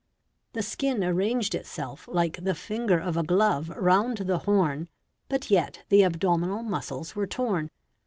The skin arranged itself like the finger of a glove round the horn, but yet the abdominal muscles were torn.